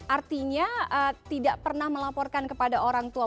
artinya tidak pernah melaporkan kepada orang tua